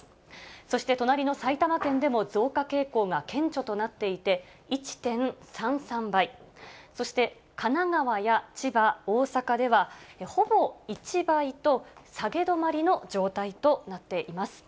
そして隣の埼玉県でも増加傾向が顕著となっていて、１．３３倍、そして神奈川や千葉、大阪では、ほぼ１倍と、下げ止まりの状態となっています。